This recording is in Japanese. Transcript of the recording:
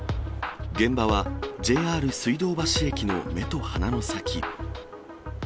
現場は、ＪＲ水道橋駅の目と鼻の先。